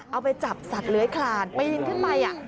เอาไปจับสัตว์เลื้อยคลานปีนขึ้นไป